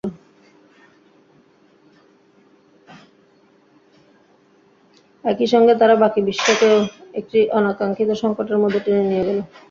একই সঙ্গে তারা বাকি বিশ্বকেও একটি অনাকাঙ্ক্ষিত সংকটের মধ্যে টেনে নিয়ে গেল।